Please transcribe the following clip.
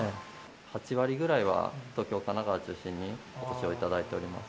８割ぐらいは、東京、神奈川中心にお越しをいただいております。